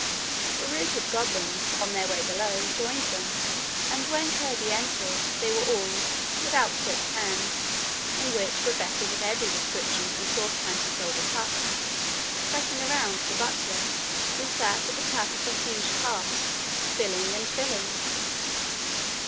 The routed goblins, on their way below, joined them, and when Curdie entered they were all, with outstretched hands, in which were vessels of every description from sauce pan to silver cup, pressing around the butler, who sat at the tap of a huge cask, filling and filling.